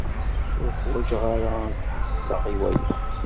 Ur ḥwaǧeɣ ara ad ḥesseɣ i waya.